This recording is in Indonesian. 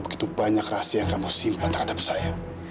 begitu banyak rahasia yang kamu simpan terhadap saya